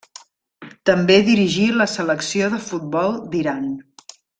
També dirigí la selecció de futbol d'Iran.